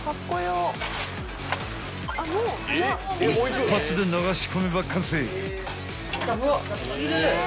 ［一発で流し込めば完成］